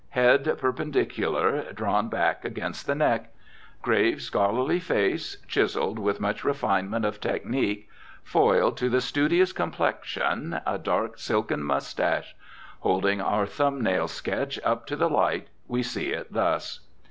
Head perpendicular, drawn back against the neck. Grave, scholarly face, chiselled with much refinement of technique; foil to the studious complexion, a dark, silken moustache. Holding our thumb nail sketch up to the light, we see it thus.